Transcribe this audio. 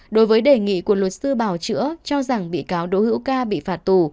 đối với đề nghị của luật sư bảo chữa cho rằng bị cáo đỗ hiệu ca bị phạt tù